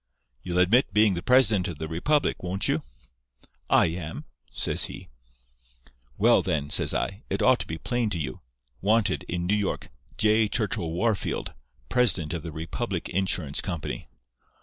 "'You'll admit being the president of the Republic, won't you?' "'I am,' says he. "'Well, then,' says I, 'it ought to be plain to you. Wanted, in New York, J. Churchill Wahrfield, president of the Republic Insurance Company.